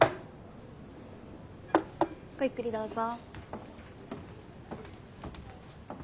ごゆっくりどうぞ。